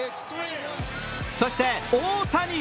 そして大谷。